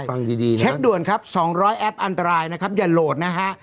ฟังดีดีนะเช็คด่วนครับ๒๐๐แอปอันตรายนะครับอย่าโหลดนะฮะ